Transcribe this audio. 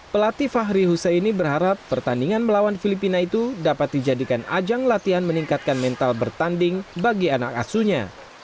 pelatih fahri husaini berharap pertandingan melawan filipina itu dapat dijadikan ajang latihan meningkatkan mental bertanding bagi anak asunya